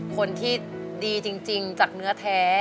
คนที่ดีจริงจากเนื้อแท้